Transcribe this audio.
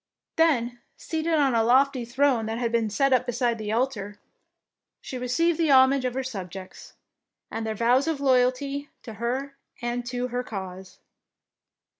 Then, seated on a lofty throne that had been set up beside the altar, she 6 65 DEEDS OF DAKING received the homage of her subjects, and their vows of loyalty to her and to her cause.